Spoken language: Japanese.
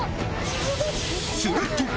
すると！